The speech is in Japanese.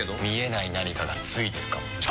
見えない何かがついてるかも。